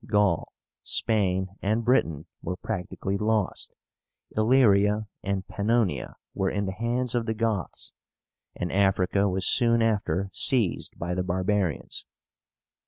Gaul, Spain, and Britain were practically lost; Illyria and Pannonia were in the hands of the Goths; and Africa was soon after seized by the barbarians.